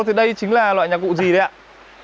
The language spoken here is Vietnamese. thì đây chính là loại nhạc vụ gì đấy ạ